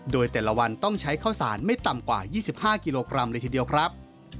โดยแต่ละวันต้องใช้ข้าวสารไม่ต่ำกว่า๒๕กิโลกรัมเลยทีเดียวครับ